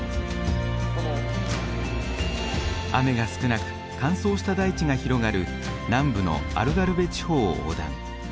雨が少なく乾燥した大地が広がる南部のアルガルヴェ地方を横断。